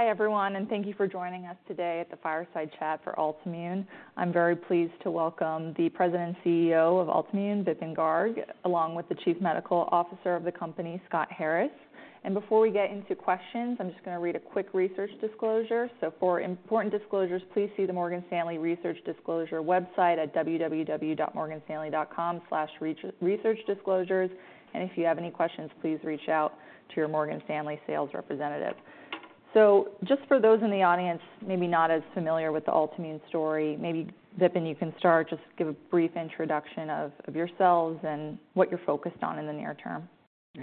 Hi, everyone, and thank you for joining us today at the Fireside Chat for Altimmune. I'm very pleased to welcome the President and CEO of Altimmune, Vipin Garg, along with the Chief Medical Officer of the company, Scott Harris. Before we get into questions, I'm just gonna read a quick research disclosure. For important disclosures, please see the Morgan Stanley research disclosure website at www.morganstanley.com/researchdisclosures. If you have any questions, please reach out to your Morgan Stanley sales representative. Just for those in the audience, maybe not as familiar with the Altimmune story, maybe Vipin, you can start. Just give a brief introduction of, of yourselves and what you're focused on in the near term.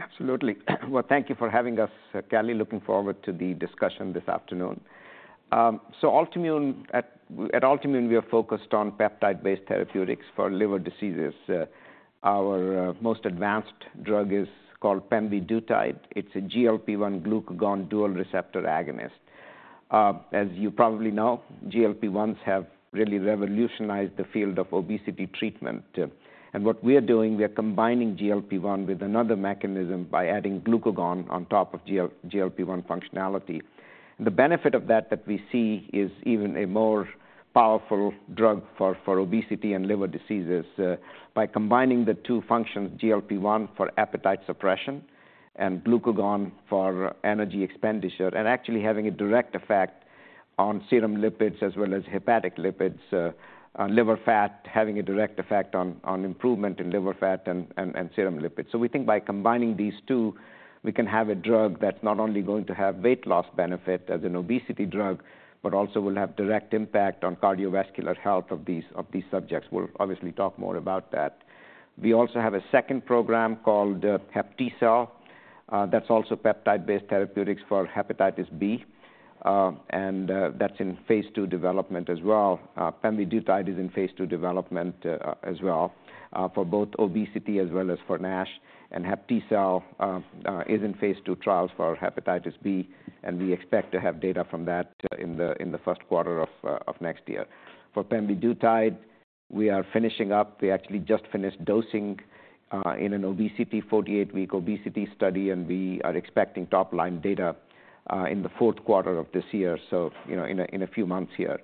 Absolutely. Well, thank you for having us, Kelly. Looking forward to the discussion this afternoon. So at Altimmune, we are focused on peptide-based therapeutics for liver diseases. Our most advanced drug is called pemvidutide. It's a GLP-1 glucagon dual receptor agonist. As you probably know, GLP-1s have really revolutionized the field of obesity treatment, and what we are doing, we are combining GLP-1 with another mechanism by adding glucagon on top of GLP-1 functionality. The benefit of that we see is even a more powerful drug for obesity and liver diseases by combining the two functions, GLP-1 for appetite suppression and glucagon for energy expenditure, and actually having a direct effect on serum lipids as well as hepatic lipids on liver fat, having a direct effect on serum lipids. So we think by combining these two, we can have a drug that's not only going to have weight loss benefit as an obesity drug, but also will have direct impact on cardiovascular health of these, of these subjects. We'll obviously talk more about that. We also have a second program called HepTcell. That's also peptide-based therapeutics for hepatitis B, and that's in Phase II development as well. Pemvidutide is in Phase II development, as well, for both obesity as well as for NASH, and HepTcell is in Phase II trials for hepatitis B, and we expect to have data from that in the first quarter of next year. For pemvidutide, we are finishing up. We actually just finished dosing in an obesity 48-week obesity study, and we are expecting top-line data in the fourth quarter of this year, so you know, in a few months here.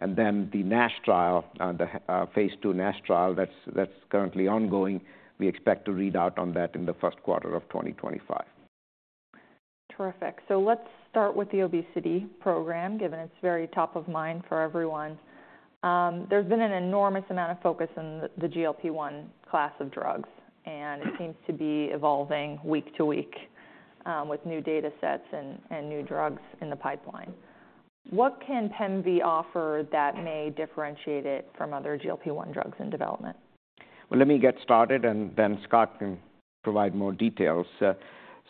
Then the NASH trial, the Phase II NASH trial, that's currently ongoing. We expect to read out on that in the first quarter of 2025. Terrific. So let's start with the obesity program, given it's very top of mind for everyone. There's been an enormous amount of focus in the GLP-1 class of drugs, and it seems to be evolving week to week with new data sets and new drugs in the pipeline. What can pemvidutide offer that may differentiate it from other GLP-1 drugs in development? Well, let me get started, and then Scott can provide more details.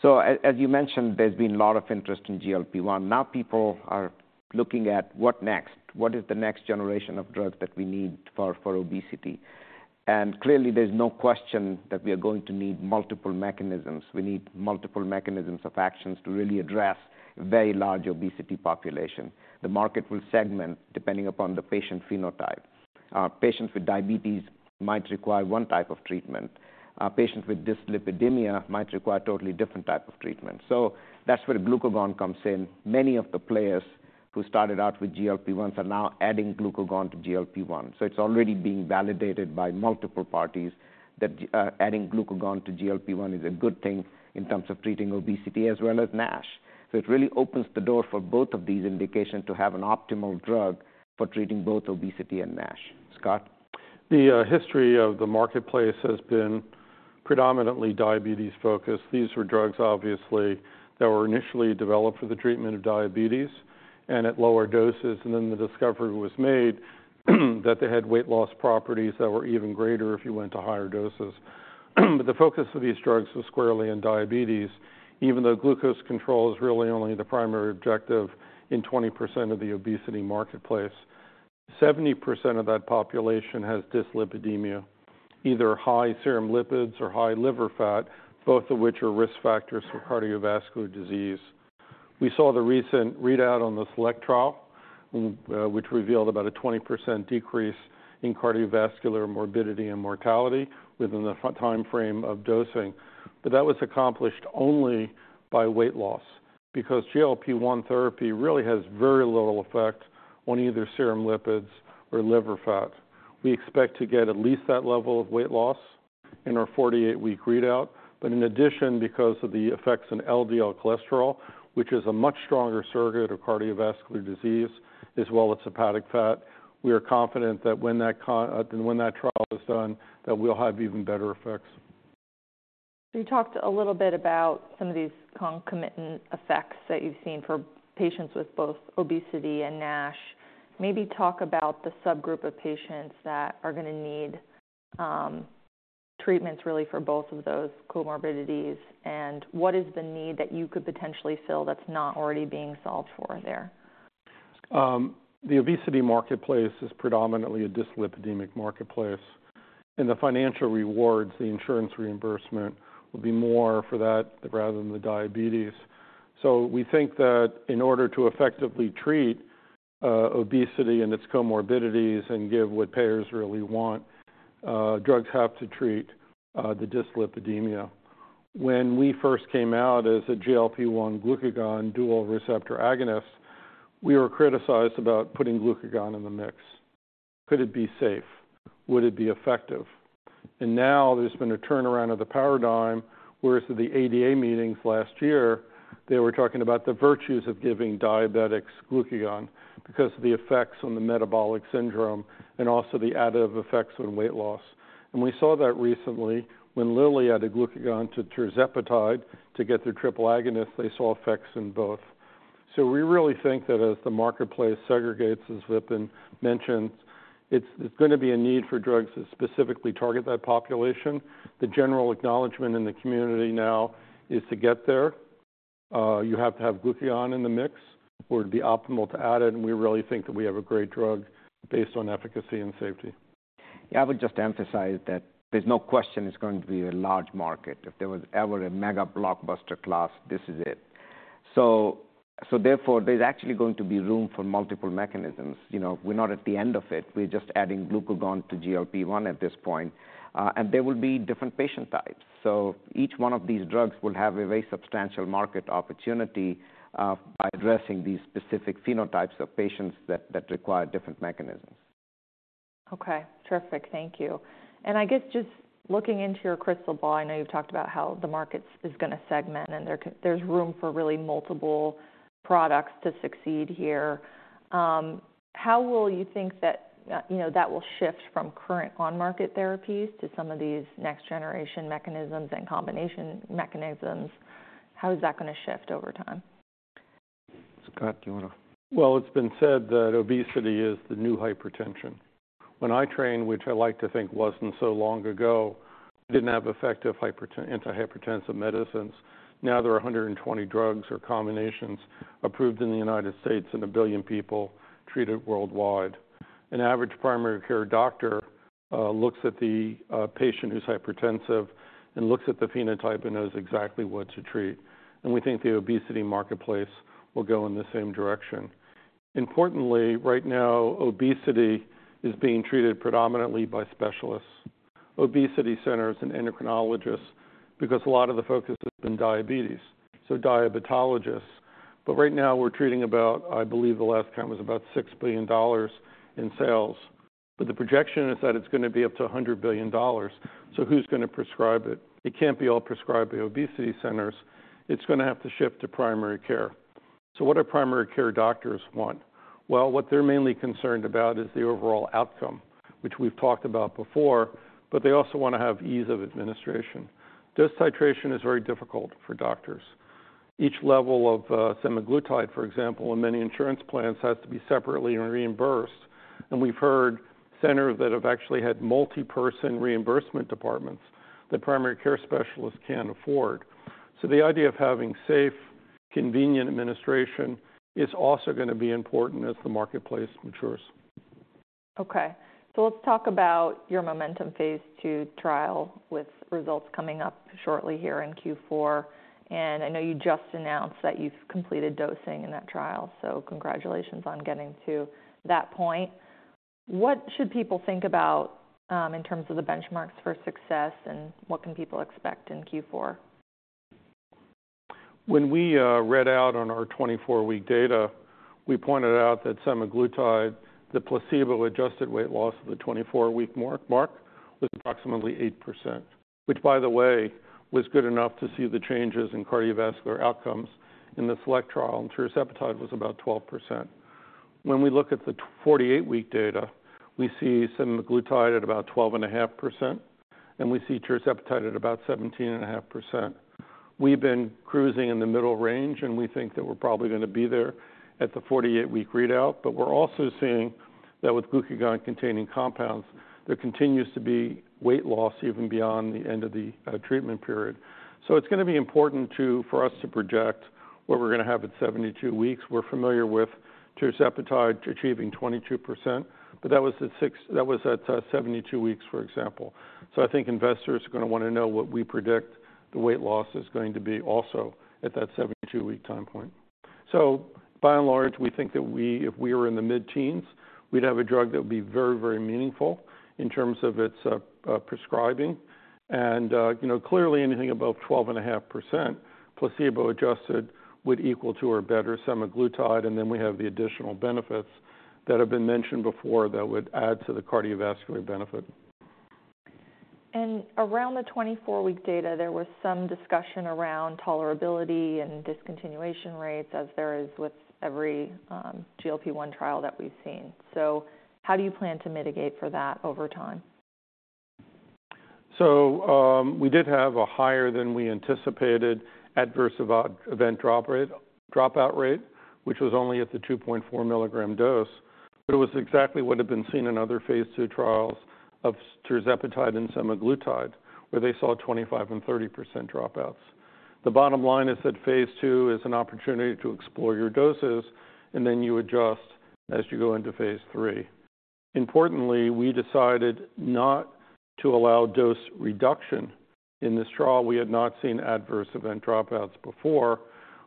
So as you mentioned, there's been a lot of interest in GLP-1. Now people are looking at what next? What is the next generation of drugs that we need for obesity? Clearly, there's no question that we are going to need multiple mechanisms. We need multiple mechanisms of actions to really address very large obesity population. The market will segment depending upon the patient phenotype. Patients with diabetes might require one type of treatment. Patients with dyslipidemia might require a totally different type of treatment. So that's where glucagon comes in. Many of the players who started out with GLP-1s are now adding glucagon to GLP-1. So it's already being validated by multiple parties that adding glucagon to GLP-1 is a good thing in terms of treating obesity as well as NASH. So it really opens the door for both of these indications to have an optimal drug for treating both obesity and NASH. Scott? The history of the marketplace has been predominantly diabetes-focused. These were drugs, obviously, that were initially developed for the treatment of diabetes and at lower doses, and then the discovery was made, that they had weight loss properties that were even greater if you went to higher doses. But the focus of these drugs was squarely on diabetes, even though glucose control is really only the primary objective in 20% of the obesity marketplace. 70% of that population has dyslipidemia, either high serum lipids or high liver fat, both of which are risk factors for cardiovascular disease. We saw the recent readout on the SELECT trial, which revealed about a 20% decrease in cardiovascular morbidity and mortality within the front timeframe of dosing. But that was accomplished only by weight loss, because GLP-1 therapy really has very little effect on either serum lipids or liver fat. We expect to get at least that level of weight loss in our 48-week readout. But in addition, because of the effects on LDL cholesterol, which is a much stronger surrogate of cardiovascular disease, as well as hepatic fat, we are confident that when that trial is done, that we'll have even better effects. You talked a little bit about some of these concomitant effects that you've seen for patients with both obesity and NASH. Maybe talk about the subgroup of patients that are gonna need, treatments really for both of those comorbidities, and what is the need that you could potentially fill that's not already being solved for there? The obesity marketplace is predominantly a dyslipidemic marketplace, and the financial rewards, the insurance reimbursement, will be more for that rather than the diabetes. So we think that in order to effectively treat obesity and its comorbidities and give what payers really want, drugs have to treat the dyslipidemia. When we first came out as a GLP-1 glucagon dual receptor agonist, we were criticized about putting glucagon in the mix. Could it be safe? Would it be effective? Now there's been a turnaround of the paradigm, whereas at the ADA meetings last year, they were talking about the virtues of giving diabetics glucagon because of the effects on the metabolic syndrome and also the additive effects on weight loss, and we saw that recently when Lilly added glucagon to tirzepatide to get their triple agonist, they saw effects in both. So we really think that as the marketplace segregates, as Vipin mentions, it's gonna be a need for drugs that specifically target that population. The general acknowledgment in the community now is to get there. You have to have glucagon in the mix or it'd be optimal to add it, and we really think that we have a great drug based on efficacy and safety. Yeah, I would just emphasize that there's no question it's going to be a large market. If there was ever a mega blockbuster class, this is it. So therefore, there's actually going to be room for multiple mechanisms. You know, we're not at the end of it. We're just adding glucagon to GLP-1 at this point, and there will be different patient types. So each one of these drugs will have a very substantial market opportunity, by addressing these specific phenotypes of patients that require different mechanisms. Okay, terrific. Thank you. I guess just looking into your crystal ball, I know you've talked about how the market is gonna segment, and there's room for really multiple products to succeed here. How will you think that, you know, that will shift from current on-market therapies to some of these next-generation mechanisms and combination mechanisms? How is that gonna shift over time? Scott, do you wanna? Well, it's been said that obesity is the new hypertension. When I trained, which I like to think wasn't so long ago, we didn't have effective antihypertensive medicines. Now there are 120 drugs or combinations approved in the United States and a billion people treated worldwide. An average primary care doctor looks at the patient who's hypertensive and looks at the phenotype and knows exactly what to treat, and we think the obesity marketplace will go in the same direction. Importantly, right now, obesity is being treated predominantly by specialists, obesity centers, and endocrinologists because a lot of the focus has been diabetes, so diabetologists. But right now, we're treating about, I believe the last count was about $6 billion in sales, but the projection is that it's gonna be up to $100 billion. So who's gonna prescribe it? It can't be all prescribed by obesity centers. It's gonna have to shift to primary care. So what do primary care doctors want? Well, what they're mainly concerned about is the overall outcome, which we've talked about before, but they also want to have ease of administration. Dose titration is very difficult for doctors. Each level of, semaglutide, for example, in many insurance plans, has to be separately reimbursed and we've heard centers that have actually had multi-person reimbursement departments that primary care specialists can't afford. So the idea of having safe, convenient administration is also gonna be important as the marketplace matures. Okay, so let's talk about your MOMENTUM Phase II trial, with results coming up shortly here in Q4. I know you just announced that you've completed dosing in that trial, so congratulations on getting to that point. What should people think about in terms of the benchmarks for success, and what can people expect in Q4? When we read out on our 24-week data, we pointed out that semaglutide, the placebo-adjusted weight loss of the 24-week mark, was approximately 8%, which, by the way, was good enough to see the changes in cardiovascular outcomes in the SELECT trial, and tirzepatide was about 12%. When we look at the 48-week data, we see semaglutide at about 12.5%, and we see tirzepatide at about 17.5%. We've been cruising in the middle range, and we think that we're probably gonna be there at the 48-week readout. But we're also seeing that with glucagon-containing compounds, there continues to be weight loss even beyond the end of the treatment period. So it's gonna be important to for us to project what we're gonna have at 72 weeks. We're familiar with tirzepatide achieving 22%, but that was at 72 weeks, for example. So I think investors are gonna wanna know what we predict the weight loss is going to be also at that 72-week time point. So by and large, we think that we-- if we were in the mid-teens, we'd have a drug that would be very, very meaningful in terms of its prescribing and you know, clearly, anything above 12.5%, placebo-adjusted, would equal to or better semaglutide, and then we have the additional benefits that have been mentioned before that would add to the cardiovascular benefit. Around the 24-week data, there was some discussion around tolerability and discontinuation rates, as there is with every GLP-1 trial that we've seen. So how do you plan to mitigate for that over time? We did have a higher than we anticipated adverse event drop rate, dropout rate, which was only at the 2.4 mg dose, but it was exactly what had been seen in other Phase II trials of tirzepatide and semaglutide, where they saw 25% and 30% dropouts. The bottom line is that Phase II is an opportunity to explore your doses, and then you adjust as you go into Phase III. Importantly, we decided not to allow dose reduction in this trial. We had not seen adverse event dropouts before,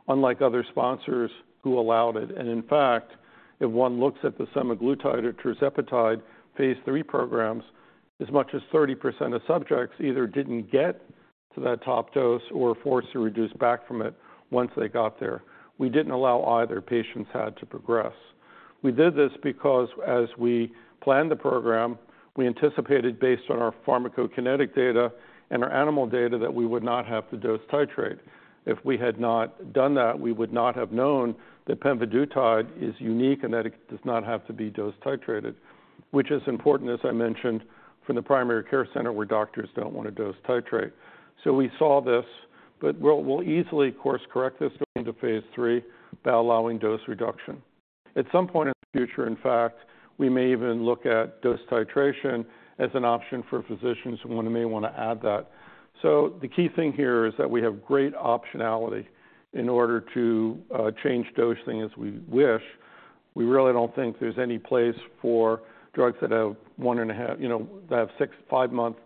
unlike other sponsors who allowed it. In fact, if one looks at the semaglutide or tirzepatide Phase III programs, as much as 30% of subjects either didn't get to that top dose or were forced to reduce back from it once they got there. We didn't allow either patients had to progress. We did this because as we planned the program, we anticipated, based on our pharmacokinetic data and our animal data, that we would not have to dose titrate. If we had not done that, we would not have known that pemvidutide is unique and that it does not have to be dose titrated, which is important, as I mentioned, from the primary care center, where doctors don't want to dose titrate. So we saw this, but we'll easily, of course, correct this going to Phase III by allowing dose reduction. At some point in the future, in fact, we may even look at dose titration as an option for physicians who want to may want to add that. So the key thing here is that we have great optionality in order to change dosing as we wish. We really don't think there's any place for drugs that—you know, that have 6-5-month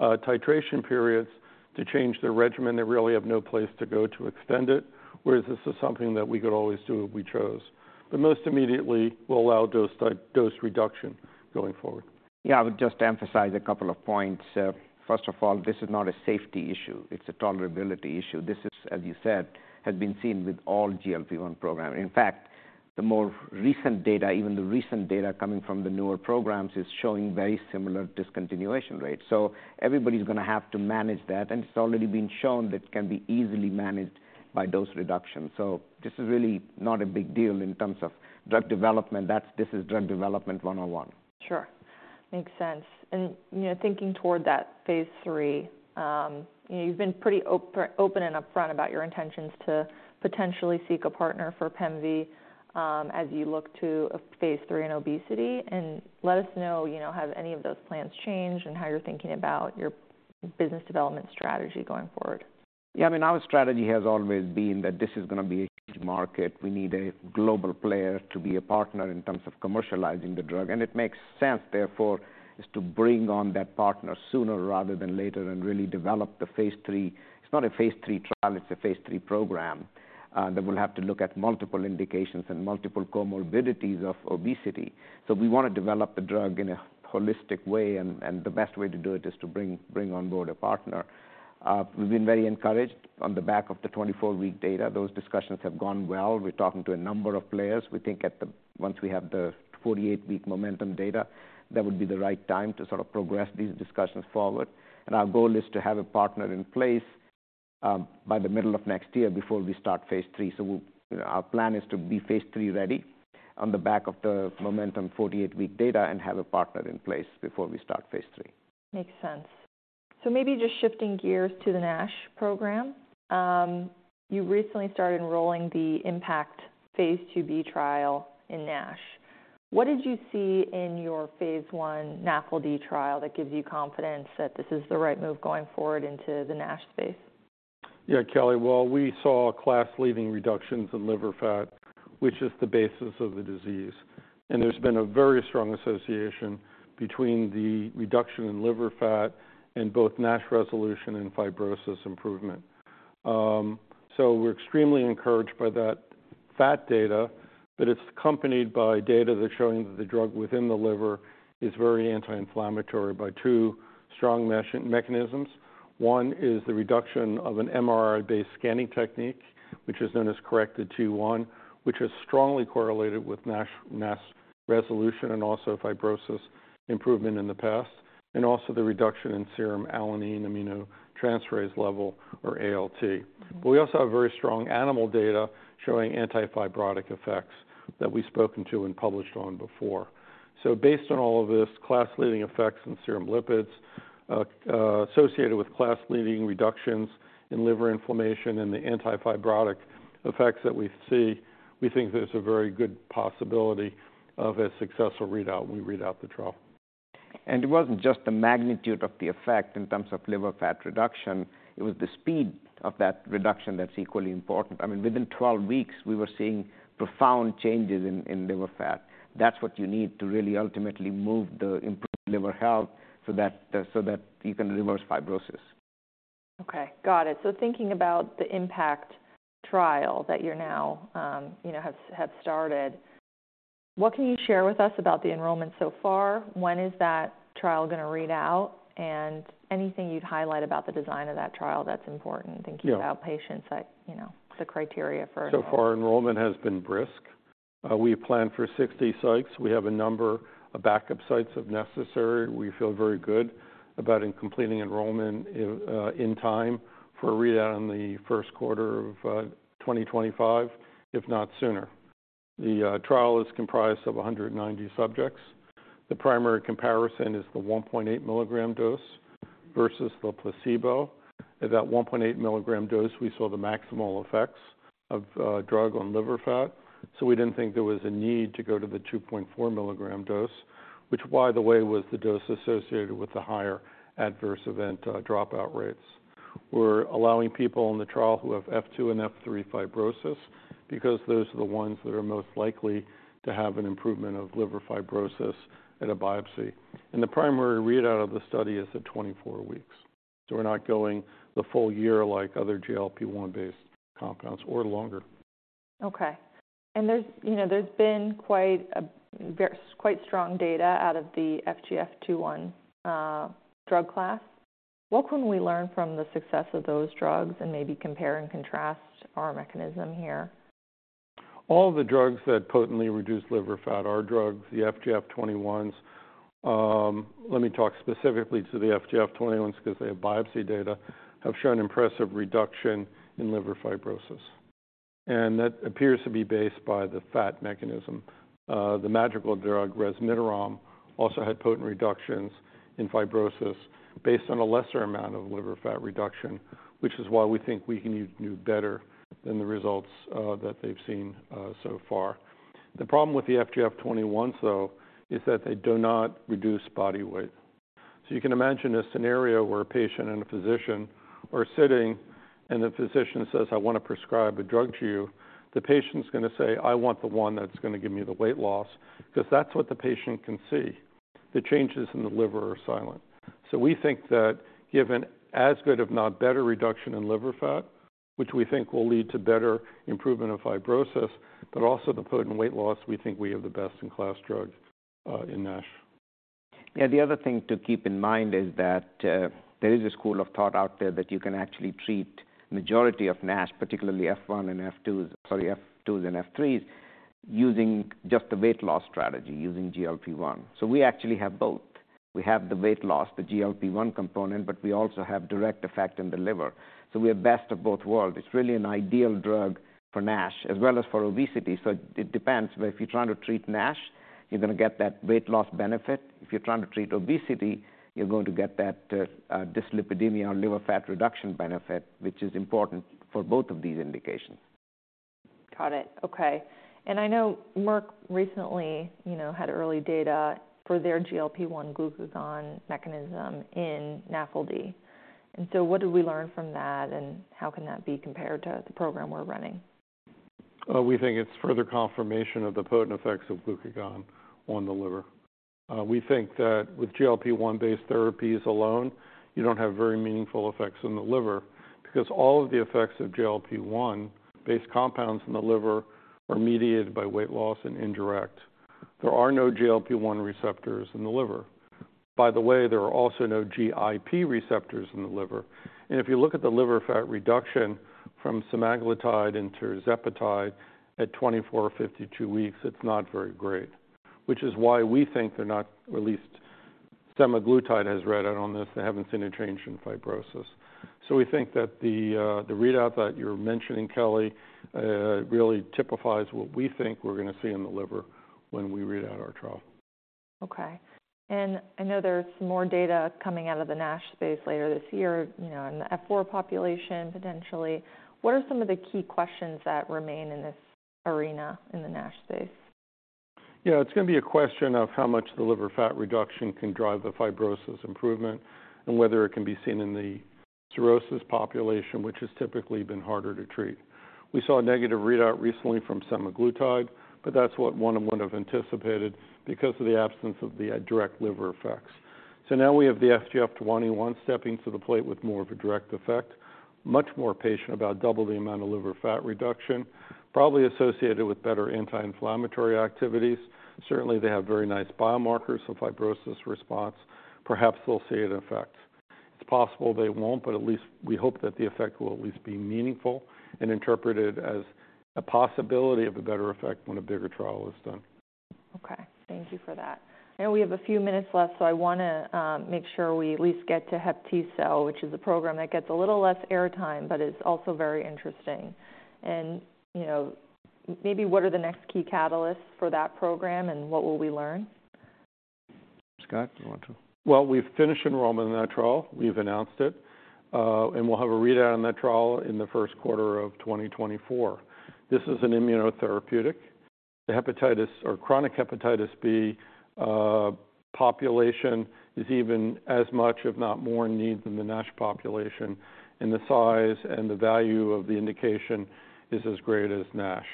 titration periods to change their regimen. They really have no place to go to extend it, whereas this is something that we could always do if we chose. But most immediately, we'll allow dose reduction going forward. Yeah, I would just emphasize a couple of points. First of all, this is not a safety issue; it's a tolerability issue. This is, as you said, has been seen with all GLP-1 program. In fact, the more recent data, even the recent data coming from the newer programs, is showing very similar discontinuation rates. So everybody's going to have to manage that, and it's already been shown that it can be easily managed by dose reduction. So this is really not a big deal in terms of drug development. This is drug development one-on-one. Sure. Makes sense, and, you know, thinking toward that Phase III, you've been pretty open and upfront about your intentions to potentially seek a partner for pemvidutide, as you look to a Phase III in obesity. Let us know, you know, have any of those plans changed and how you're thinking about your business development strategy going forward. Yeah, I mean, our strategy has always been that this is going to be a huge market. We need a global player to be a partner in terms of commercializing the drug, and it makes sense, therefore, to bring on that partner sooner rather than later and really develop the Phase III. It's not a Phase III trial, it's a Phase III program that will have to look at multiple indications and multiple comorbidities of obesity. So we want to develop the drug in a holistic way, and the best way to do it is to bring on board a partner. We've been very encouraged on the back of the 24-week data. Those discussions have gone well. We're talking to a number of players. We think that once we have the 48-week MOMENTUM data, that would be the right time to sort of progress these discussions forward. Our goal is to have a partner in place by the middle of next year before we start Phase III. Our plan is Phase III-ready on the back of the MOMENTUM 48-week data and have a partner in place before we start Phase III. Makes sense. Maybe just shifting gears to the NASH program. You recently started enrolling the IMPACT Phase IIb trial in NASH. What did you see in your Phase I NAFLD trial that gives you confidence that this is the right move going forward into the NASH space? Yeah, Kelly. Well, we saw class-leading reductions in liver fat, which is the basis of the disease. There's been a very strong association between the reduction in liver fat and both NASH resolution and fibrosis improvement. So we're extremely encouraged by that fat data, but it's accompanied by data that's showing that the drug within the liver is very anti-inflammatory by two strong mechanisms. One is the reduction of an MRI-based scanning technique, which is known as cT1, which is strongly correlated with NASH resolution and also fibrosis improvement in the past, and also the reduction in serum alanine aminotransferase level, or ALT, but we also have very strong animal data showing anti-fibrotic effects that we've spoken to and published on before. Based on all of this, class-leading effects in serum lipids, associated with class-leading reductions in liver inflammation and the anti-fibrotic effects that we see, we think there's a very good possibility of a successful readout when we read out the trial. It wasn't just the magnitude of the effect in terms of liver fat reduction, it was the speed of that reduction that's equally important. I mean, within 12 weeks, we were seeing profound changes in liver fat. That's what you need to really ultimately move the improved liver health so that you can reverse fibrosis. Okay, got it. So thinking about the IMPACT trial that you're now, you know, have started, what can you share with us about the enrollment so far? When is that trial going to read out, and anything you'd highlight about the design of that trial that's important? Yeah. thinking about patients that, you know, the criteria for So far, enrollment has been brisk. We plan for 60 sites. We have a number of backup sites, if necessary. We feel very good about in completing enrollment in time for a readout in the first quarter of 2025, if not sooner. The trial is comprised of 190 subjects. The primary comparison is the 1.8 mg dose versus the placebo. At that 1.8 mg dose, we saw the maximal effects of drug on liver fat, so we didn't think there was a need to go to the 2.4 mg dose, which, by the way, was the dose associated with the higher adverse event dropout rates. We're allowing people on the trial who have F2 and F3 fibrosis because those are the ones that are most likely to have an improvement of liver fibrosis at a biopsy. The primary readout of the study is at 24 weeks, so we're not going the full year like other GLP-1 based compounds or longer. Okay. There's, you know, there's been quite a very strong data out of the FGF21 drug class. What can we learn from the success of those drugs and maybe compare and contrast our mechanism here? All the drugs that potently reduce liver fat are drugs. The FGF21s, let me talk specifically to the FGF21s, because they have biopsy data, have shown impressive reduction in liver fibrosis, and that appears to be based by the fat mechanism. The Magical drug, resmitarom, also had potent reductions in fibrosis based on a lesser amount of liver fat reduction, which is why we think we can do better than the results that they've seen so far. The problem with the FGF21, though, is that they do not reduce body weight. So you can imagine a scenario where a patient and a physician are sitting, and the physician says, "I want to prescribe a drug to you." The patient's gonna say, "I want the one that's gonna give me the weight loss," because that's what the patient can see. The changes in the liver are silent. So we think that given as good, if not better, reduction in liver fat, which we think will lead to better improvement of fibrosis, but also the potent weight loss, we think we have the best-in-class drug in NASH. Yeah, the other thing to keep in mind is that, there is a school of thought out there that you can actually treat majority of NASH, particularly F1 and F2, sorry, F2s and F3s, using just the weight loss strategy, using GLP-1. So we actually have both. We have the weight loss, the GLP-1 component, but we also have direct effect on the liver, so we are best of both worlds. It's really an ideal drug for NASH as well as for obesity. So it depends, but if you're trying to treat NASH, you're gonna get that weight loss benefit. If you're trying to treat obesity, you're going to get that, dyslipidemia or liver fat reduction benefit, which is important for both of these indications. Got it. Okay, and I know Merck recently, you know, had early data for their GLP-1 glucagon mechanism in NAFLD. And so what did we learn from that, and how can that be compared to the program we're running? We think it's further confirmation of the potent effects of glucagon on the liver. We think that with GLP-1 based therapies alone, you don't have very meaningful effects on the liver because all of the effects of GLP-1 based compounds in the liver are mediated by weight loss and indirect. There are no GLP-1 receptors in the liver. By the way, there are also no GIP receptors in the liver, and if you look at the liver fat reduction from semaglutide and tirzepatide at 24 or 52 weeks, it's not very great, which is why we think they're not, or at least semaglutide has read out on this. They haven't seen a change in fibrosis. So we think that the readout that you're mentioning, Kelly, really typifies what we think we're gonna see in the liver when we read out our trial. Okay, and I know there's more data coming out of the NASH space later this year, you know, in the F4 population, potentially. What are some of the key questions that remain in this arena in the NASH space? Yeah, it's gonna be a question of how much the liver fat reduction can drive the fibrosis improvement and whether it can be seen in the cirrhosis population, which has typically been harder to treat. We saw a negative readout recently from semaglutide, but that's what one would have anticipated because of the absence of the direct liver effects. So now we have the FGF21 stepping to the plate with more of a direct effect. Much more patient about double the amount of liver fat reduction, probably associated with better anti-inflammatory activities. Certainly, they have very nice biomarkers, so fibrosis response, perhaps they'll see an effect. It's possible they won't, but at least we hope that the effect will at least be meaningful and interpreted as a possibility of a better effect when a bigger trial is done. Okay, thank you for that. I know we have a few minutes left, so I wanna make sure we at least get to HepTcell, which is a program that gets a little less airtime, but it's also very interesting, and, you know, maybe what are the next key catalysts for that program, and what will we learn? Scott, do you want to? Well, we've finished enrollment in that trial. We've announced it, and we'll have a readout on that trial in the first quarter of 2024. This is an immunotherapeutic. The hepatitis or chronic hepatitis B population is even as much, if not more in need, than the NASH population, and the size and the value of the indication is as great as NASH.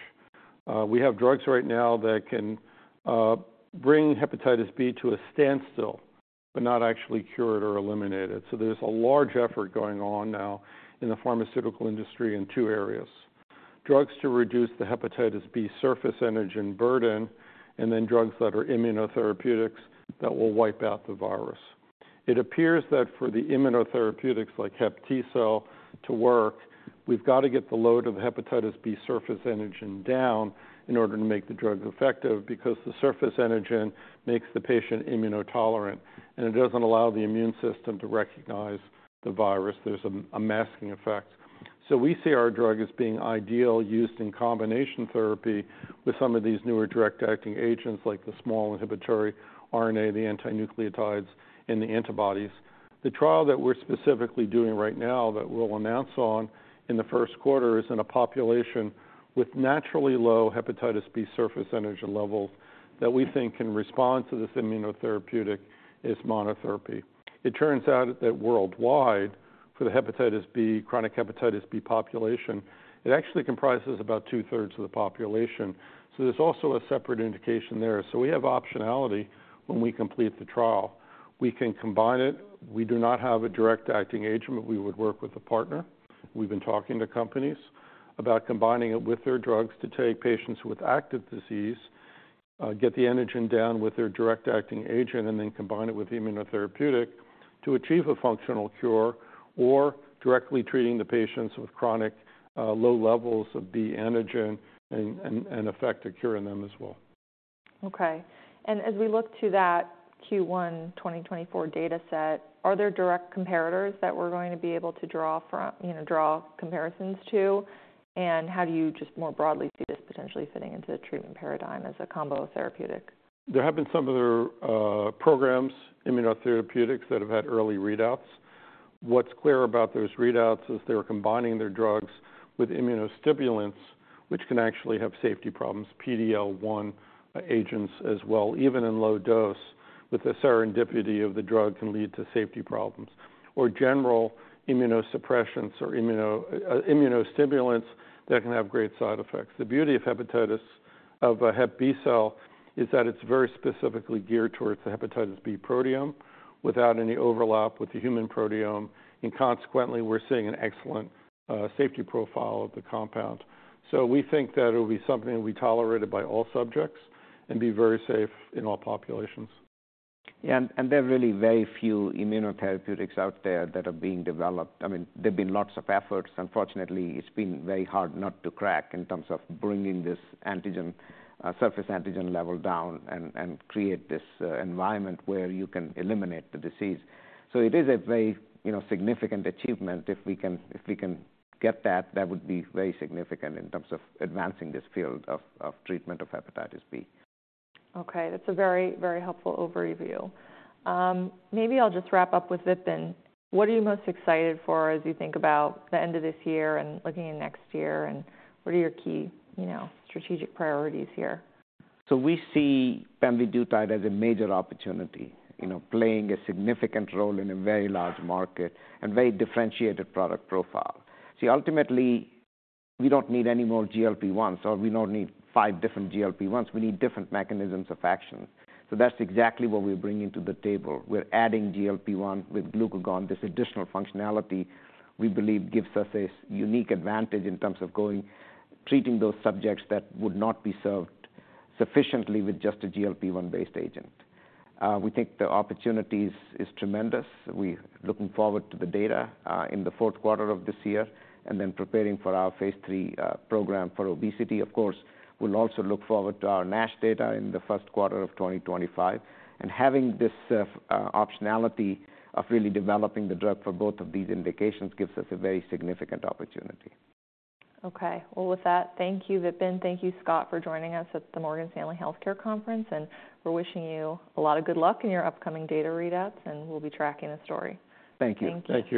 We have drugs right now that can bring hepatitis B to a standstill but not actually cure it or eliminate it. So there's a large effort going on now in the pharmaceutical industry in two areas: drugs to reduce the hepatitis B surface antigen burden and then drugs that are immunotherapeutics that will wipe out the virus. It appears that for the immunotherapeutics like HepTcell to work, we've got to get the load of the hepatitis B surface antigen down in order to make the drug effective, because the surface antigen makes the patient immunotolerant, and it doesn't allow the immune system to recognize the virus. There's a masking effect. So we see our drug as being ideal, used in combination therapy with some of these newer direct-acting agents, like the small inhibitory RNA, the antisense oligonucleotides, and the antibodies. The trial that we're specifically doing right now that we'll announce on in the first quarter is in a population with naturally low hepatitis B surface antigen levels that we think can respond to this immunotherapeutic as monotherapy. It turns out that worldwide, for the hepatitis B, chronic hepatitis B population, it actually comprises about 2/3 of the population. So there's also a separate indication there. So we have optionality when we complete the trial. We can combine it. We do not have a direct-acting agent, but we would work with a partner. We've been talking to companies about combining it with their drugs to take patients with active disease, get the antigen down with their direct-acting agent, and then combine it with immunotherapeutic to achieve a functional cure, or directly treating the patients with chronic, low levels of B antigen and effect a cure in them as well. Okay. As we look to that Q1 2024 data set, are there direct comparators that we're going to be able to draw from, you know, draw comparisons to and how do you just more broadly see this potentially fitting into the treatment paradigm as a combo therapeutic? There have been some other programs, immunotherapeutics, that have had early readouts. What's clear about those readouts is they're combining their drugs with immunostimulants, which can actually have safety problems, PD-L1 agents as well. Even in low dose, with the serendipity of the drug can lead to safety problems, or general immunosuppression or immunostimulants that can have great side effects. The beauty of hepatitis, of a HepTcell, is that it's very specifically geared towards the hepatitis B proteome without any overlap with the human proteome, and consequently, we're seeing an excellent safety profile of the compound. So we think that it'll be something that will be tolerated by all subjects and be very safe in all populations. Yeah, and there are really very few immunotherapeutics out there that are being developed. I mean, there've been lots of efforts. Unfortunately, it's been very hard nut to crack in terms of bringing this antigen, surface antigen level down and create this environment where you can eliminate the disease. So it is a very, you know, significant achievement. If we can, if we can get that, that would be very significant in terms of advancing this field of treatment of hepatitis B. Okay, that's a very, very helpful overview. Maybe I'll just wrap up with Vipin. What are you most excited for as you think about the end of this year and looking in next year, and what are your key, you know, strategic priorities here? So we see pemvidutide as a major opportunity, you know, playing a significant role in a very large market and very differentiated product profile. See, ultimately, we don't need any more GLP-1, so we don't need five different GLP-1s. We need different mechanisms of actions, so that's exactly what we're bringing to the table. We're adding GLP-1 with glucagon. This additional functionality, we believe, gives us a unique advantage in terms of treating those subjects that would not be served sufficiently with just a GLP-1-based agent. We think the opportunities is tremendous. We're looking forward to the data in the fourth quarter of this year, and then preparing Phase III program for obesity. Of course, we'll also look forward to our NASH data in the first quarter of 2025. Having this optionality of really developing the drug for both of these indications gives us a very significant opportunity. Okay. Well, with that, thank you, Vipin. Thank you, Scott, for joining us at the Morgan Stanley Healthcare Conference, and we're wishing you a lot of good luck in your upcoming data readouts, and we'll be tracking the story. Thank you. Thank you.